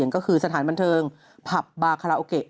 ก็คือสถานบันเทิงผับบาคาราโอเกะ